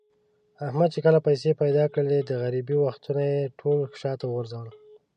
احمد چې کله پیسې پیدا کړلې، د غریبۍ وختونه یې ټول شاته و غورځول.